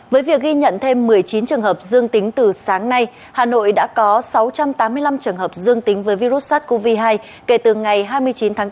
với việc ghi nhận thêm một mươi chín trường hợp dương tính từ sáng nay hà nội đã có sáu trăm tám mươi năm trường hợp dương tính với virus sars cov hai kể từ ngày hai mươi chín tháng bốn